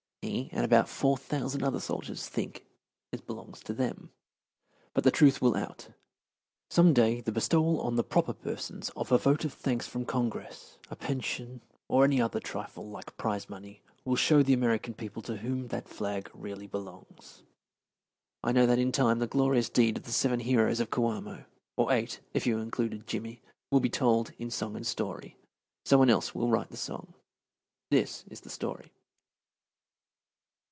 He and about four thousand other soldiers think it belongs to them. But the truth will out. Some day the bestowal on the proper persons of a vote of thanks from Congress, a pension, or any other trifle, like prize money, will show the American people to whom that flag really belongs. I know that in time the glorious deed of the seven heroes of Coamo, or eight, if you include "Jimmy," will be told in song and story. Some one else will write the song. This is the story.